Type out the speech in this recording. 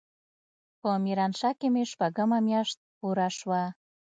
په ميرانشاه کښې مې شپږمه مياشت پوره سوه.